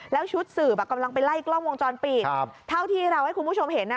แล้วชุดสืบกำลังไปไล่กล้องวงจรปิดเท่าที่เราให้คุณผู้ชมเห็น